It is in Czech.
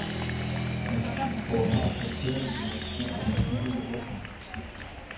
Ve vyšších polohách roste jen výjimečně a většinou druhotně.